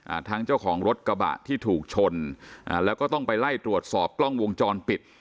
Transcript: ทั้งเจ้าของรถกระบะที่ถูกชนอ่าแล้วก็ต้องไปไล่ตรวจสอบกล้องวงจรปิด